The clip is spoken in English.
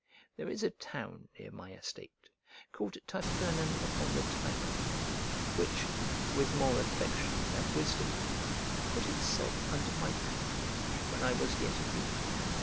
There is a town near my estate, called Tifernum upon the Tiber, which, with more affection than wisdom, put itself under my patronage when I was yet a youth.